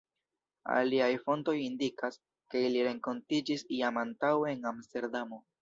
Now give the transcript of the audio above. Aliaj fontoj indikas, ke ili renkontiĝis jam antaŭe en Amsterdamo.